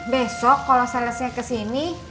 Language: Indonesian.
besok kalo salesnya kesini